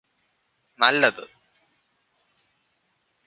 നല്ലത്